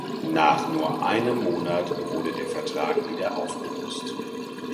Nach nur einem Monat wurde der Vertrag wieder aufgelöst.